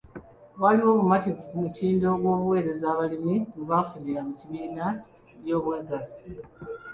Waliwo obumativu ku mutindo gw'obuweereza abalimi bwe bafunira mu bibiina by'obwegassi.